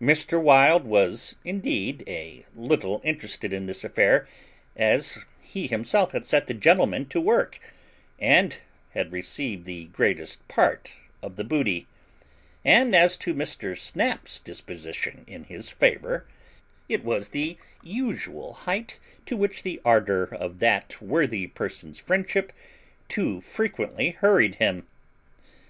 Mr. Wild was indeed a little interested in this affair, as he himself had set the gentleman to work, and had received the greatest part of the booty: and as to Mr. Snap's deposition in his favour, it was the usual height to which the ardour of that worthy person's friendship too frequently hurried him.